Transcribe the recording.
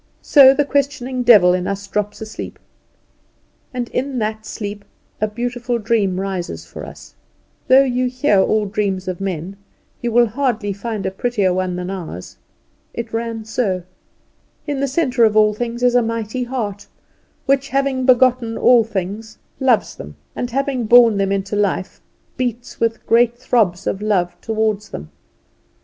So the questioning devil in us drops asleep, and in that sleep a beautiful dream rises for us. Though you hear all the dreams of men, you will hardly find a prettier one than ours. It ran so: In the centre of all things is a mighty Heart, which, having begotten all things, loves them; and, having born them into life, beats with great throbs of love towards them.